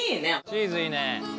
チーズいいね。